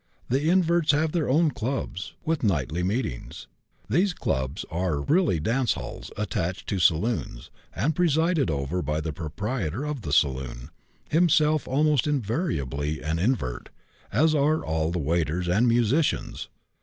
The inverts have their own 'clubs,' with nightly meetings. These 'clubs' are, really, dance halls, attached to saloons, and presided over by the proprietor of the saloon, himself almost invariably an invert, as are all the waiters and musicians.